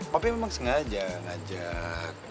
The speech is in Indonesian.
papi memang sengaja ngajak